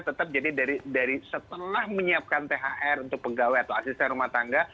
tetap jadi dari setelah menyiapkan thr untuk pegawai atau asisten rumah tangga